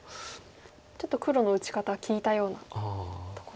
ちょっと黒の打ち方聞いたようなとこでしょうか。